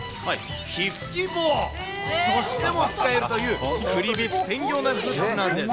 火吹き棒。としても使えるというクリビツテンギョーなグッズなんです。